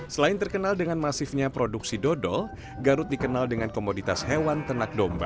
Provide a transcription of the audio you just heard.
selain terkenal dengan masifnya produksi dodol garut dikenal dengan komoditas hewan ternak domba